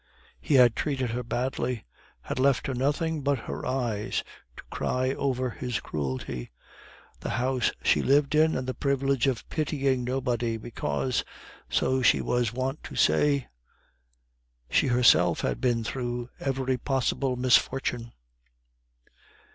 He had treated her badly, had left her nothing but her eyes to cry over his cruelty, the house she lived in, and the privilege of pitying nobody, because, so she was wont to say, she herself had been through every possible misfortune.